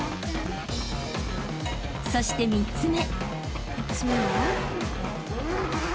［そして３つ目］